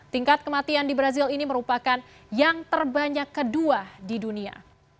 tingkat kematian di brazil ini merupakan yang terbanyak kedua di dunia